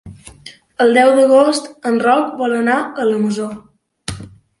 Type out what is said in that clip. El deu d'agost en Roc vol anar a la Masó.